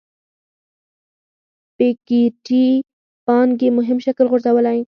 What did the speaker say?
پيکيټي پانګې مهم شکل غورځولی.